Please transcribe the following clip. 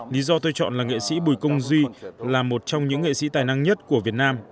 lý do tôi chọn là nghệ sĩ bùi công duy là một trong những nghệ sĩ tài năng nhất của việt nam